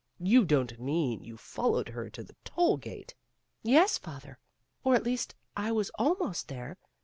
"You don't mean you followed her to the toll gate I '' "Yes, father. Or at least I was almost there.